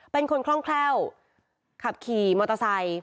เป็นคนคล่องแคล่วขับขี่มอเตอร์ไซค์